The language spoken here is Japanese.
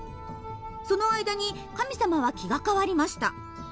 その間に神様は気が変わりました。